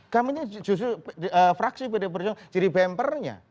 kami ini justru fraksi pd perjuangan jadi bumpernya